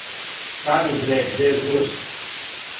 Стани бре где журиш!